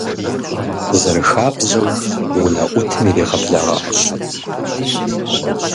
Зэрыхабзэу унэӀутым иригъэблэгъащ.